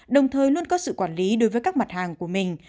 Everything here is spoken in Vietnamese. đồng thời luôn có sự quản lý đối với các mặt hàng của mình